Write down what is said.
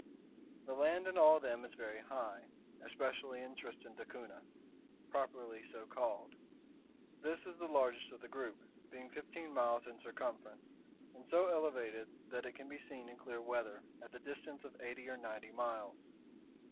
The land in all of them is very high, especially in Tristan d'Acunha, properly so called. This is the largest of the group, being fifteen miles in circumference, and so elevated that it can be seen in clear weather at the distance of eighty or ninety miles.